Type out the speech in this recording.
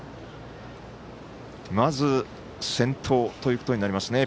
まず先頭ということになりますね。